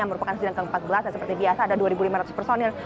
yang merupakan sidang ke empat belas dan seperti biasa ada dua lima ratus personil